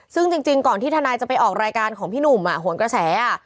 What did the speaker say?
ซึ่งจริงก่อนที่ทนายจะไปออกรายการของพี่หนุ่มโหนกระแส